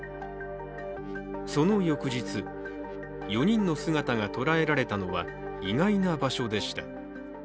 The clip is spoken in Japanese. その翌日、４人の姿が捉えられたのは意外な場所でした。